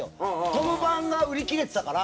トム版が売り切れてたから。